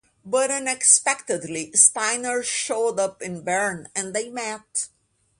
But unexpectedly Steiner showed up in Bern and they met.